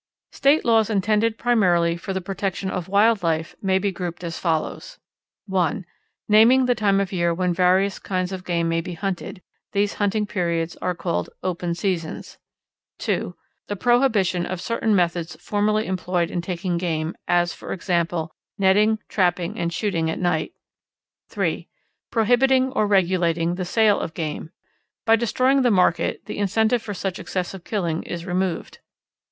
State laws intended primarily for the protection of wild life may be grouped as follows: (1) naming the time of the year when various kinds of game may be hunted; these hunting periods are called "open seasons." (2) The prohibition of certain methods formally employed in taking game, as, for example, netting, trapping, and shooting at night. (3) Prohibiting or regulating the sale of game. By destroying the market the incentive for much excessive killing is removed.